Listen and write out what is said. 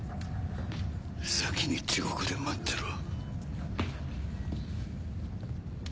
先に地獄で待ってろ。